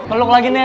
peluk lagi nek